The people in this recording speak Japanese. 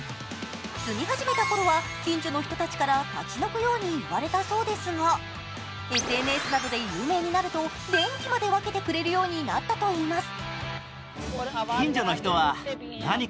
住み始めたころは、近所の人たちから立ち退くように言われたそうですが、ＳＮＳなどで有名になると、電気まで分けてくれるようになったといいます。